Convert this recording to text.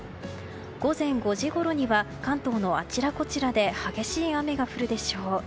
午前５時ごろには関東のあちらこちらで激しい雨が降るでしょう。